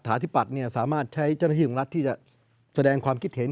ใช้เจ้าหน้าที่ของรัฐที่จะแสดงความคิดเห็น